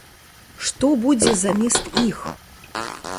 Што будзе замест іх?